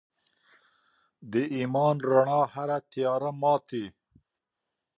د ایمان رڼا هره تیاره ماتي.